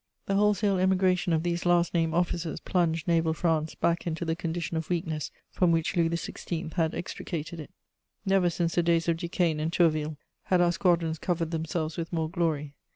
The wholesale emigration of these last named officers plunged naval France back into the condition of weakness from which Louis XVI. had extricated it. Never since the days of Duquesne and Tourville had our squadrons covered themselves with more glory.